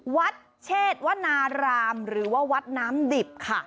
วัดเชษวนารามหรือว่าวัดน้ำดิบค่ะ